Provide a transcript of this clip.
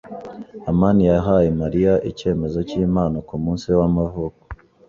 amani yahaye Mariya icyemezo cyimpano kumunsi we w'amavuko.